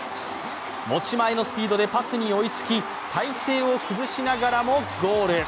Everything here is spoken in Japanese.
持ち前のスピードでパスに追いつき、体勢を崩しながらもゴール。